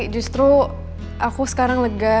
justru aku sekarang lega